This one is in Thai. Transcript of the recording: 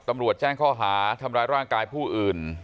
ตำรวจแจ้งข้อหาทำร้ายร่างกายผู้อื่น